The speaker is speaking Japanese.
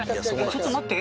ちょっと待って。